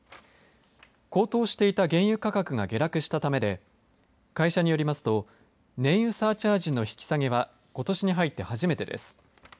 高騰していた原油価格が下落したためで会社によりますと燃油サーチャージの引き下げはことし入って初めてです。